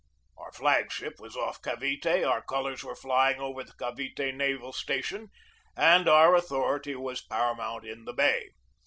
Our flag ship was off Cavite, our colors were flying over the Cavite naval station, and our authority was paramount in the bay.